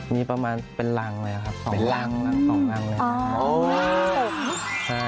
มีประมาณเป็นรังเลยครับ๒รังเลยครับ